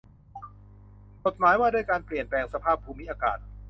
กฎหมายว่าด้วยการเปลี่ยนแปลงสภาพภูมิอากาศ